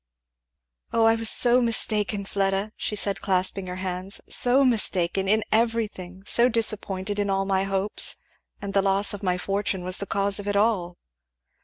"O I was so mistaken, Fleda!" she said clasping her hands, "so mistaken! in everything; so disappointed, in all my hopes. And the loss of my fortune was the cause of it all."